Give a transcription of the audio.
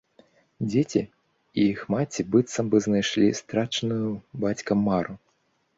Дзеці і іх маці быццам бы знайшлі страчаную бацькам мару.